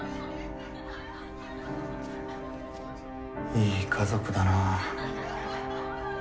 いい家族だなあ。